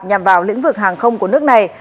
nhằm vào lĩnh vực hàng không của nước này